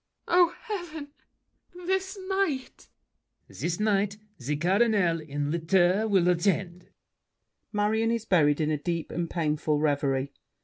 Oh, heaven! this night! LAFFEMAS. This night The Cardinal, in litter, will attend. [Marion is buried in a deep and painful reverie.